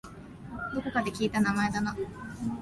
どこかで聞いた名前だな